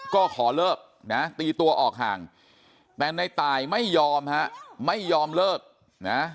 ก็ขอเลิกนะตีตัวออกห่างแต่ในตายไม่ยอมฮะไม่ยอมเลิกนะ